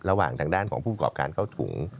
ระหว่างทางด้านของผู้ประกอบการเข้าถุง